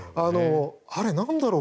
あれなんだろう